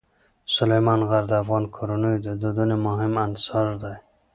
سلیمان غر د افغان کورنیو د دودونو مهم عنصر دی.